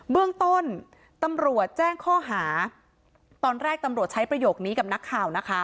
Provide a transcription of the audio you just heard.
เบื้องต้นตำรวจแจ้งข้อหาตอนแรกตำรวจใช้ประโยคนี้กับนักข่าวนะคะ